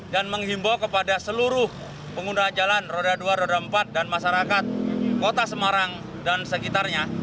menghimbau kepada seluruh pengguna jalan roda dua roda empat dan masyarakat kota semarang dan sekitarnya